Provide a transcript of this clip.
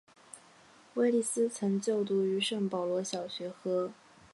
威利斯曾就读于圣保罗小学和。